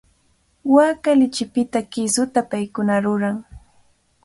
Waaka lichipitami kisuta paykuna ruran.